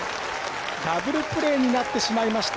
ダブルプレーになってしまいました。